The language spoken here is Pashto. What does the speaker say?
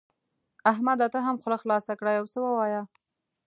احمده ته هم خوله خلاصه کړه؛ يو څه ووايه.